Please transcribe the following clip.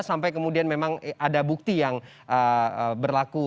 sampai kemudian memang ada bukti yang berlaku